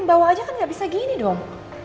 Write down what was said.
ini main bawah aja kan gak bisa gini dong